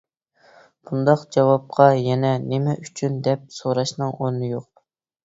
بۇنداق جاۋابقا يەنە «نېمە ئۈچۈن» دەپ سوراشنىڭ ئورنى يوق.